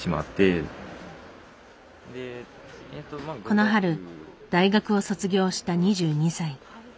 この春大学を卒業した２２歳。